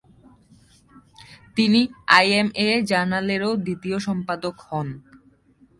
তিনি আই.এম.এ জার্নালেরও দ্বিতীয় সম্পাদক হন।